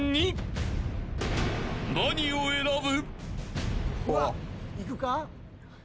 ［何を選ぶ？］